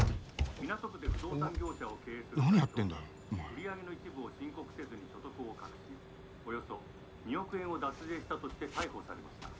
「売り上げの一部を申告せずに所得を隠しおよそ２億円を脱税したとして逮捕されました。